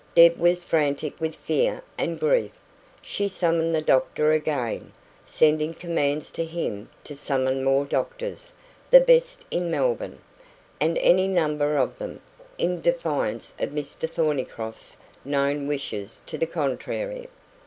Deb was frantic with fear and grief. She summoned the doctor again, sending commands to him to summon more doctors the best in Melbourne, and any number of them in defiance of Mr Thornycroft's known wishes to the contrary.